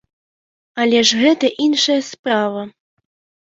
Але ж гэта іншая справа.